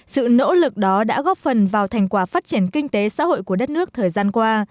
sự nỗ lực đó đã góp phần vào thành quả phát triển kinh tế xã hội của đất nước thời gian qua